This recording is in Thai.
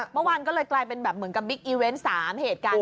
เมื่อวานก็เลยกลายเป็นแบบเหมือนกับบิ๊กอีเวนต์๓เหตุการณ์